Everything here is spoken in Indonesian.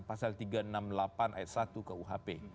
pasal tiga ratus enam puluh delapan ayat satu kuhp